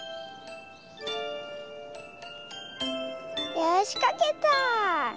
よしかけた！